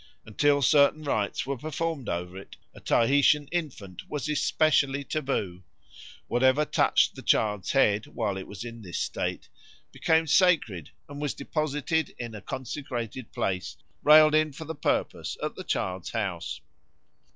Until certain rites were performed over it, a Tahitian infant was especially taboo; whatever touched the child's head, while it was in this state, became sacred and was deposited in a consecrated place railed in for the purpose at the child's house.